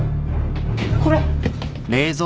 これ。